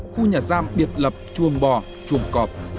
khu nhà giam biệt lập chuồng bò chuồng cọp